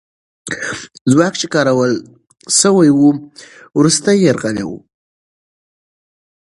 ځواک چې کارول سوی وو، وروستی یرغل وو.